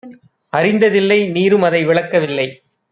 அறிந்ததில்லை; நீரும்அதை விளக்க வில்லை.